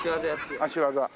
足技。